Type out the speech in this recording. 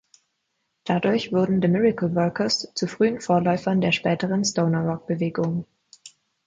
Dadurch wurden The Miracle Workers zu frühen Vorläufern der späteren Stoner Rock–Bewegung.